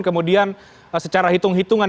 kemudian secara hitung hitungan